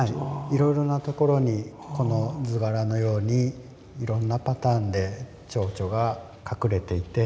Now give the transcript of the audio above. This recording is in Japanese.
いろいろな所にこの図柄のようにいろんなパターンでちょうちょが隠れていて。